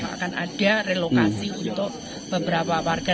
akan ada relokasi untuk beberapa warga